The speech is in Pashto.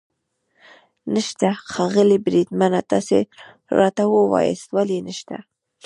نشته؟ ښاغلی بریدمنه، تاسې راته ووایاست ولې نشته.